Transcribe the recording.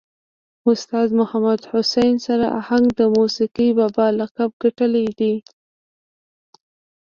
استاذ محمد حسین سر آهنګ د موسیقي بابا لقب ګټلی دی.